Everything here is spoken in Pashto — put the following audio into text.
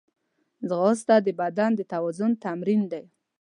ځغاسته د بدن د توازن تمرین دی